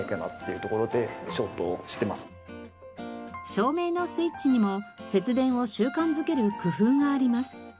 照明のスイッチにも節電を習慣付ける工夫があります。